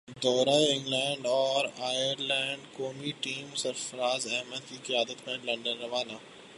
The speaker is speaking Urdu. دورہ انگلینڈ اور ائرلینڈ قومی ٹیم سرفرازاحمد کی قیادت میں لندن روانہ